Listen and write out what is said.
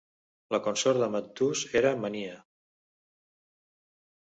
La consort de Mantus era Mania.